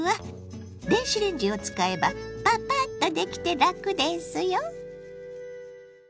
電子レンジを使えばパパッとできて楽ですよ。